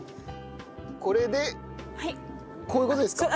これでこういう事ですか？